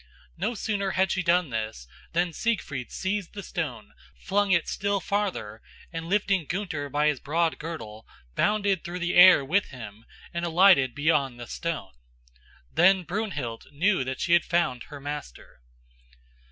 No sooner had she done this than Siegfried seized the stone, flung it still farther, and lifting Gunther by his broad girdle bounded through the air with him and alighted beyond the stone. Then Brunhild knew that she had found her master.